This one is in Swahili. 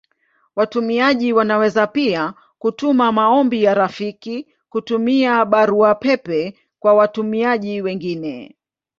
Watumiaji wanaweza pia kutuma maombi ya rafiki kutumia Barua pepe kwa watumiaji wengine.